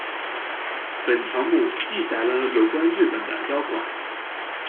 本条目记载了有关日本的妖怪。